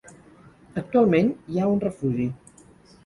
Actualment hi ha un refugi.